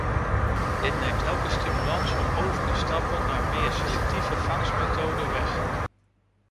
Dit neemt elke stimulans om over te stappen naar meer selectieve vangstmethoden weg.